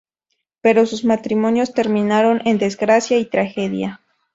Pero sus matrimonios terminaron en desgracia y tragedia.